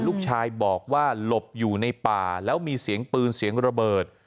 ลูกชายบอกว่าหลบอยู่ในป่าแล้วมีเสียงปืนเสียงระเบิด